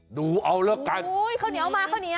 หนูเอาแล้วกันโอ้โฮเขาเหนียวมาเขาเหนียว